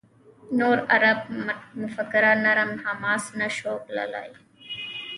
نور عرب مفکران «نرم حماس» نه شو بللای.